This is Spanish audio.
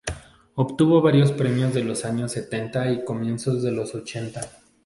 Obtuvo varios premios en los años setenta y comienzos de los ochenta.